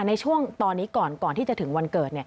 ในช่วงตอนนี้ก่อนก่อนที่จะถึงวันเกิด